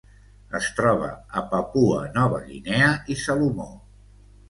Es troba a Papua Nova Guinea i Salomó.